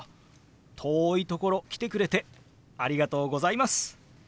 遠いところ来てくれてありがとうございます。